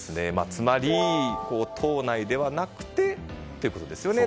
つまり、党内ではなくてということですよね。